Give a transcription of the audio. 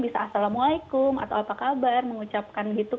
bisa assalamualaikum atau apa kabar mengucapkan gitu